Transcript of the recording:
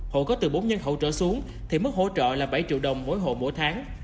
hộ có từ bốn nhân khẩu trở xuống thì mức hỗ trợ là bảy triệu đồng mỗi hộ mỗi tháng